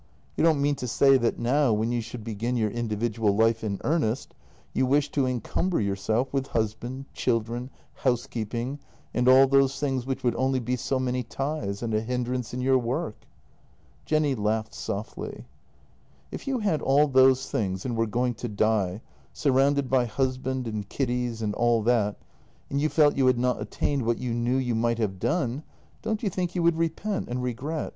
You don't mean to say that now, when you should begin your in dividual life in earnest, you wish to encumber yourself wnth husband, children, housekeeping, and all those things which would only be so many ties and a hindrance in your work? " Jenny laughed softly. " If you had all those things and were going to die, sur rounded by husband and kiddies and all that, and you felt you had not attained what you knew you might have done, don't you think you would repent and regret?